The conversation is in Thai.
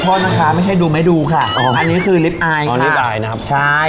ชอบนะครับไม่ใช่ดูไม่ดูอันนี้คือลิปอาย